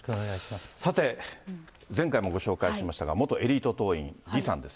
さて、前回もご紹介しましたが、元エリート党員、リさんです。